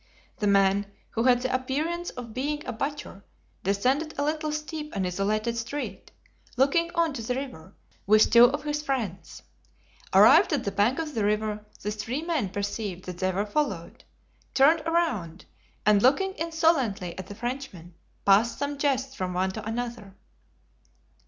The man, who had the appearance of being a butcher, descended a little steep and isolated street, looking on to the river, with two of his friends. Arrived at the bank of the river the three men perceived that they were followed, turned around, and looking insolently at the Frenchmen, passed some jests from one to another.